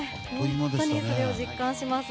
本当にそれを実感します。